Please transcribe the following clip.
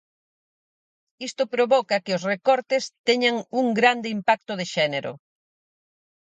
Isto provoca que os recortes teñan un grande impacto de xénero.